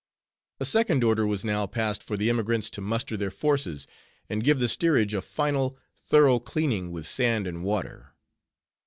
A second order was now passed for the emigrants to muster their forces, and give the steerage a final, thorough cleaning with sand and water.